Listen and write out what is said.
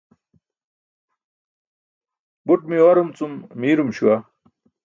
Buṭ miwarum cum miirum śuwa.